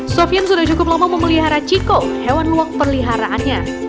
sofian sudah cukup lama memelihara chico hewan luak peliharaannya